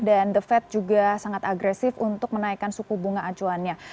dan the fed juga sangat agresif untuk menaikkan suku bunga acuannya